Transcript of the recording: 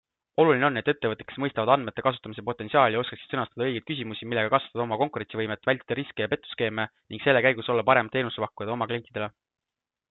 Oluline on, et ettevõtted, kes mõistavad andmete kasutamise potentsiaali, oskaksid sõnastada õigeid küsimusi, millega kasvatada oma konkurentsivõimet, vältida riske ja petuskeeme ning selle käigus olla paremad teenusepakkujad oma klientidele.